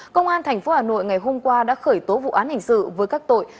công an thành phố hà nội ngày hôm qua đã khởi tố vụ án hình sự với các tội